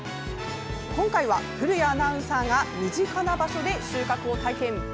今回は、古谷アナウンサーが身近な場所で収穫を体験。